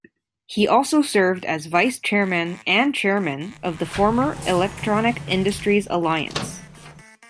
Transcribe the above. He also served as Vice Chairman and Chairman of the former Electronic Industries Alliance.